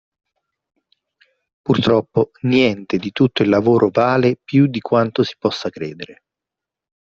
Purtroppo niente di tutto il lavoro vale più di quanto si possa credere.